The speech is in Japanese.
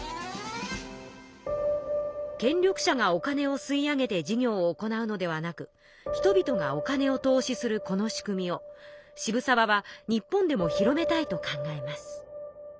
権力者がお金を吸い上げて事業を行うのではなく人々がお金を投資するこの仕組みを渋沢は日本でも広めたいと考えます。